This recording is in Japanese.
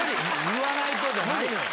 「言わないと」じゃないのよ。